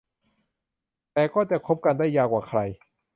แต่ก็จะคบกันได้ยาวกว่าใคร